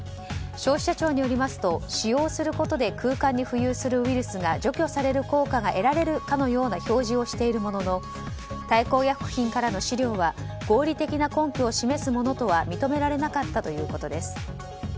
消費者庁によりますと使用することで空間に浮遊するウイルスが除去される効果が得られるかのような表示をしているものの大幸薬品からの資料は合理的な根拠を示すものとは認められなかったということです。